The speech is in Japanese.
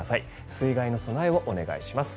水害の備えをお願いします。